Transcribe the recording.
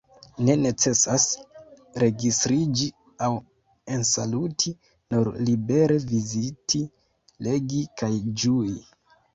Ne necesas registriĝi aŭ ensaluti – nur libere viziti, legi kaj ĝui.